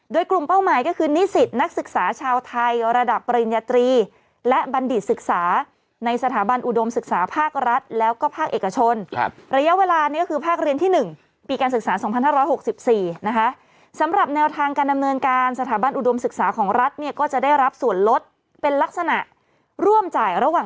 โดยกลุ่มเป้าหมายก็คือนิสิตนักศึกษาชาวไทยระดับปริญญาตรีและบัณฑิตศึกษาในสถาบันอุดมศึกษาภาครัฐแล้วก็ภาคเอกชนระยะเวลานี้ก็คือภาคเรียนที่๑ปีการศึกษา๒๕๖๔นะคะสำหรับแนวทางการดำเนินการสถาบันอุดมศึกษาของรัฐเนี่ยก็จะได้รับส่วนลดเป็นลักษณะร่วมจ่ายระหว่าง